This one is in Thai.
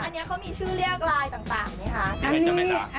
อันนี้เขามีชื่อแรกไลน์ต่างอย่างงี้ครับ